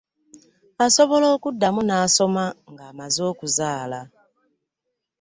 Asobola okuddamu n'asoma ng'amaze okuzaala.